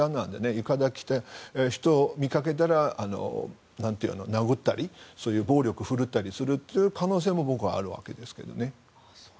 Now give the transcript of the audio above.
浴衣を着た人を見かけたら殴ったりそういう暴力を振るったりする可能性もあるわけですけどね。